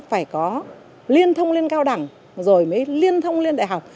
phải có liên thông lên cao đẳng rồi mới liên thông lên đại học